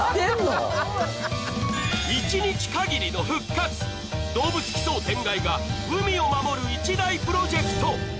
一日限りの復活、「どうぶつ奇想天外！」が海を守る一大プロジェクト。